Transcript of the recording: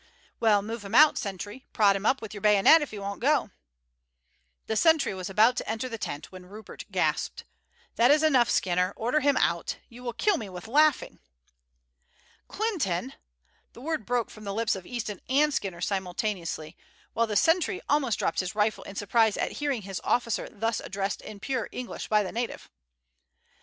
"Well, move him out, sentry; prod him up with your bayonet if he won't go." The sentry was about to enter the tent when Rupert gasped, "That is enough, Skinner; order him out. You will kill me with laughing." "Clinton!" The word broke from the lips of Easton and Skinner simultaneously, while the sentry almost dropped his rifle in surprise at hearing his officer thus addressed in pure English by the native.